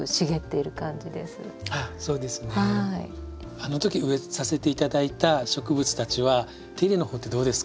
あのとき植えさせて頂いた植物たちは手入れの方ってどうですか？